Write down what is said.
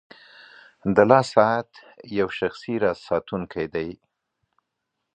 • د لاس ساعت یو شخصي راز ساتونکی دی.